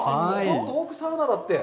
奥、サウナだって。